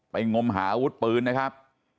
งมหาอาวุธปืนนะครับ